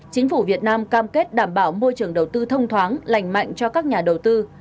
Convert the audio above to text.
chính phủ việt nam cam kết đảm bảo môi trường đầu tư thông thoáng lành mạnh cho các nhà đầu tư